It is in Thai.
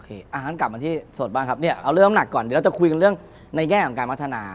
เอาเรื่องงามหนักก่อนเดี๋ยวเราจะคุยกันเรื่องในแก้ของการมักฐนา